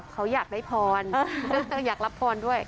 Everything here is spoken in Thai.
เขาอยากได้พรอยากรับพรด้วย